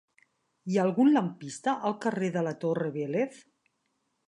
Hi ha algun lampista al carrer de la Torre Vélez?